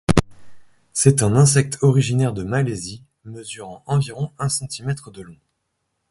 C'est un insecte originaire de Malaisie mesurant environ un centimètre de long.